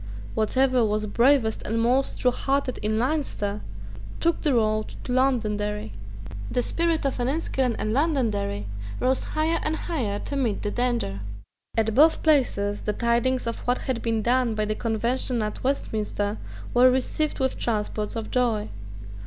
Whatever was bravest and most truehearted in Leinster took the road to Londonderry, The spirit of Enniskillen and Londonderry rose higher and higher to meet the danger. At both places the tidings of what had been done by the Convention at Westminster were received with transports of joy.